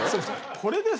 これでさ。